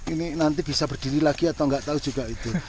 ini nanti bisa berdiri lagi atau nggak tahu juga itu